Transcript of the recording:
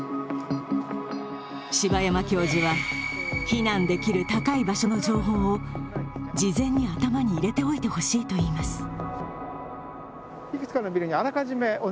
柴山教授は、避難できる高い場所の情報を、事前に頭に入れておいてほしいと言います。